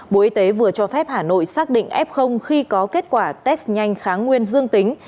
bộ y tế vừa cho phép hà nội xác định f khi có kết quả test nhanh kháng nguyên dương tính